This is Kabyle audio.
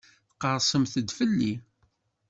Tqerrsemt-d fell-i.